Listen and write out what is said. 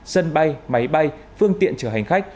sân bay máy bay phương tiện chở hành khách